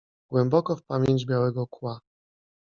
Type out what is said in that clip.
głęboko w pamięć Białego Kła.